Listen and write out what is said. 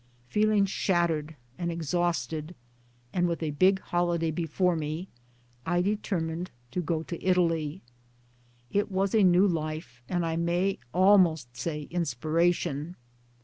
Feel ing shattered and exhausted, and with a big holiday before me, I determined to go to Italy. It was a new life and I may almost say inspiration.